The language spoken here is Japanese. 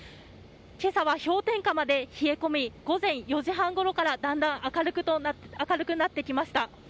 けさは氷点下まで冷え込み午前４時半ごろからだんだん明るくなってきました。